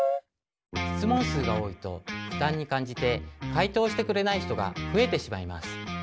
質問数が多いと負担に感じて回答してくれない人が増えてしまいます。